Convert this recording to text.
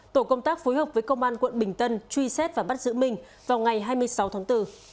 tổ công tác phối hợp với công an quận bình tân truy xét và bắt giữ minh vào ngày hai mươi sáu tháng bốn